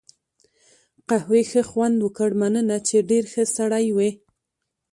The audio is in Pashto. قهوې ښه خوند وکړ، مننه، چې ډېر ښه سړی وې.